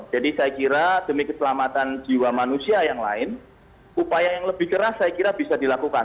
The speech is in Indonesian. jadi saya kira demi keselamatan jiwa manusia yang lain upaya yang lebih keras saya kira bisa dilakukan